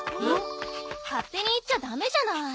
勝手に行っちゃダメじゃない。